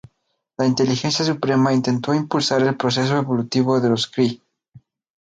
La Inteligencia Suprema intentó impulsar el proceso evolutivo de los Kree.